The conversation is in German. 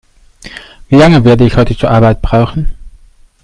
Wie lange werde ich heute zur Arbeit brauchen?